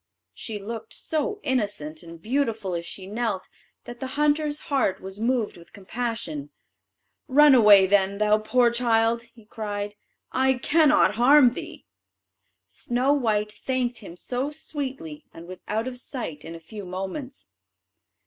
She looked so innocent and beautiful as she knelt, that the hunter's heart was moved with compassion: "Run away, then, thou poor child," he cried; "I cannot harm thee." Snow white thanked him so sweetly, and was out of sight in a few moments.